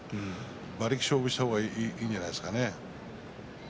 馬力勝負した方がいいんじゃないですか。